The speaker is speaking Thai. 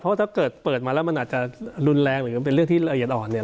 เพราะถ้าเกิดเปิดมาแล้วมันอาจจะรุนแรงหรือเป็นเรื่องที่ละเอียดอ่อนเนี่ย